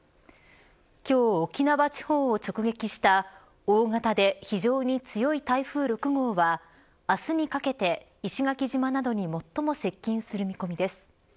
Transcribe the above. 今日、沖縄地方を直撃した大型で非常に強い台風６号は明日にかけて、石垣島などに最も接近する見込みです。